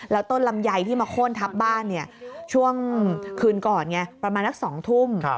แล้วต้นลำไยที่มาโค้นทับบ้านช่วงคืนก่อนไงประมาณนัก๒ทุ่ม